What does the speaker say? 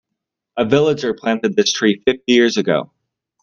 A villager planted this tree fifty years ago.